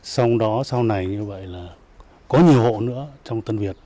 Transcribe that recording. xong đó sau này như vậy là có nhiều hộ nữa trong tân việt